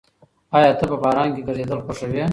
ایا ته په باران کې ګرځېدل خوښوې؟